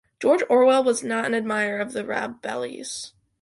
George Orwell was not an admirer of Rabelais.